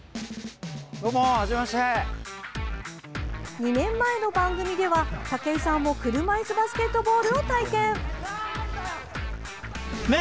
２年前の番組では武井さんも車いすバスケットボールを体験。